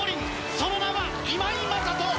その名は今井正人。